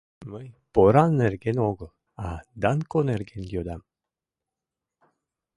— Мый поран нерген огыл, а Данко нерген йодам.